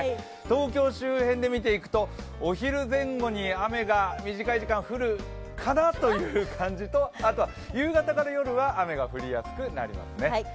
東京周辺で見ていくとお昼前後に雨が短い時間降るかなという感じとあとは夕方から夜は雨が降りやすくなりますね。